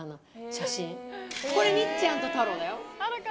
これみっちゃんと太郎だよ。